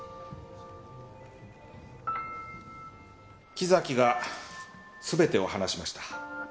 「木崎が全てを話しました」